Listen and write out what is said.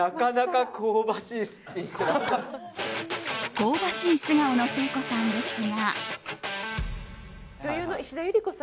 香ばしい素顔の誠子さんですが。